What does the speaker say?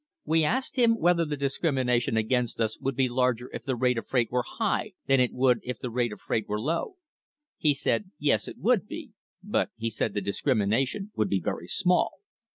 We asked him whether the dis crimination against us would be larger if the rate of freight were high than it would if the rate of freight were low. He said, yes, it would be, but he said the discrimination would be very small.